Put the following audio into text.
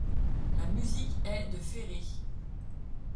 La musique est de Ferré.